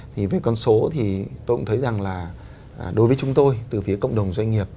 thì với con số thì tôi cũng thấy rằng là đối với chúng tôi từ phía cộng đồng doanh nghiệp